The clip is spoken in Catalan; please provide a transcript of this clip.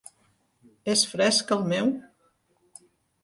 És fresc, el meu?